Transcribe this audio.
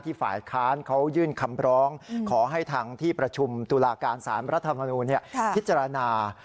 ฝ่ายค้านเขายื่นคำร้องขอให้ทางที่ประชุมตุลาการสารรัฐมนูลพิจารณา